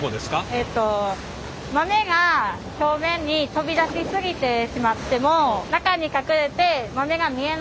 えっと豆が表面に飛び出しすぎてしまっても中に隠れて豆が見えなくても。